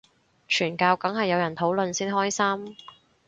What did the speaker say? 傳教梗係有人討論先開心